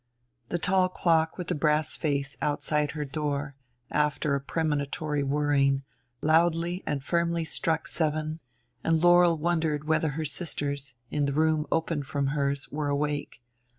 The tall clock with the brass face outside her door, after a premonitory whirring, loudly and firmly struck seven, and Laurel wondered whether her sisters, in the room open from hers, were awake.